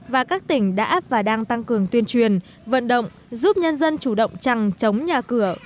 và các tỉnh đã và đang tăng cường tuyên truyền vận động giúp nhân dân chủ động trăng chống nhà cửa